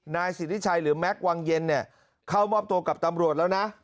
นายสิทธิชัยหรือแม็กซ์วังเย็นเนี่ยเข้ามอบตัวกับตำรวจแล้วนะ